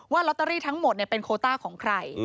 ลอตเตอรี่ทั้งหมดเป็นโคต้าของใคร